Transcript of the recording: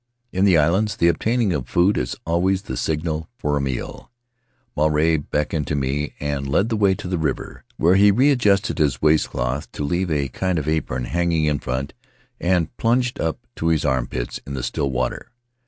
In the islands, the obtaining of food is always the signal for a meal. Maruae beckoned to me and led the way to the river, where he readjusted his waistcloth to leave a kind of apron hanging in front and plunged up to his armpits in the still water.